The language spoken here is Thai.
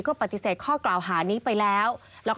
ก็ปฏิเสธข้อกล่าวหานี้ไปแล้ว